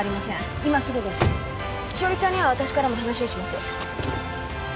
今すぐです汐里ちゃんには私からも話をします